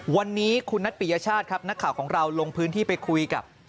วันนี้คุณนัทปิยชาติครับนักข่าวของเราลงพื้นที่ไปคุยกับ